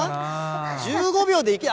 １５秒でいける？